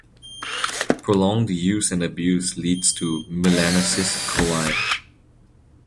Prolonged use and abuse leads to melanosis coli.